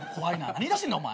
何言いだしてんだお前。